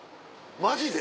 マジで？